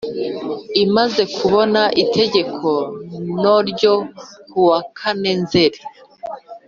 Imaze kubona Itegeko no ryo ku wa kane nzeri